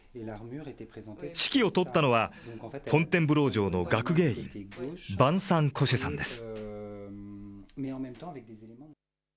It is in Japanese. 指揮を執ったのは、フォンテンブロー城の学芸員、ヴァンサン・コシェさんです。